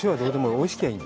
おいしけりゃいい。